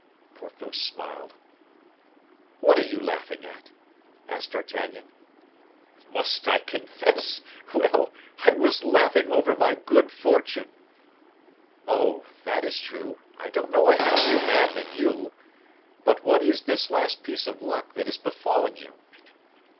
Porthos smiled. "What are you laughing at?" asked D'Artagnan. "Must I confess? Well, I was laughing over my good fortune." "Oh, that is true; I don't know a happier man than you. But what is this last piece of luck that has befallen you?